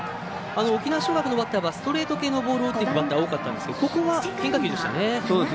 沖縄尚学のバッターはストレート系のボールを打っていくバッターが多かったんですがここは、変化球でしたね。